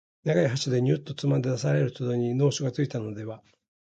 長い箸でニューッとつまんで出される度に能書がついたのでは、